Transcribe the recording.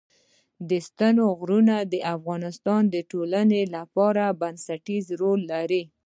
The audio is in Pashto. ستوني غرونه د افغانستان د ټولنې لپاره بنسټيز رول لري.